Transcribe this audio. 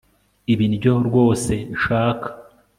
Ibi nibyo rwose nshaka